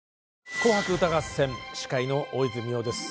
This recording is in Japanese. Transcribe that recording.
「紅白歌合戦」司会の大泉洋です。